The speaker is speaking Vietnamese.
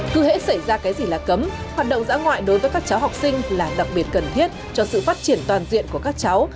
cứ hãy xảy ra cái gì là cấm hoạt động dã ngoại đối với các cháu học sinh là đặc biệt cần thiết cho sự phát triển toàn diện của các cháu